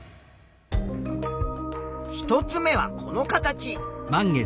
１つ目はこの形。